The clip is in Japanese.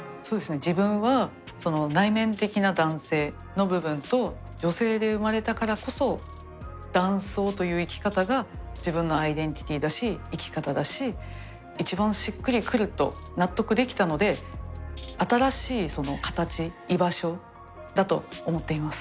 自分は内面的な男性の部分と女性で生まれたからこそ男装という生き方が自分のアイデンティティーだし生き方だし一番しっくりくると納得できたので新しいカタチ居場所だと思っています。